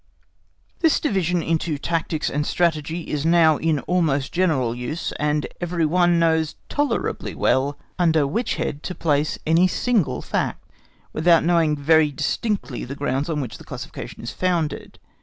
This division into tactics and strategy is now in almost general use, and every one knows tolerably well under which head to place any single fact, without knowing very distinctly the grounds on which the classification is founded.